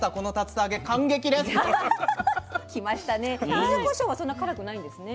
ゆずこしょうはそんなからくないんですね？